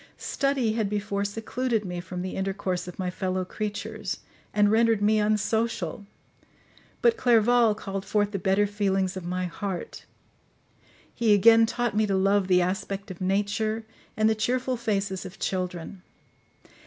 Study had before secluded me from the intercourse of my fellow creatures, and rendered me unsocial; but Clerval called forth the better feelings of my heart; he again taught me to love the aspect of nature, and the cheerful faces of children.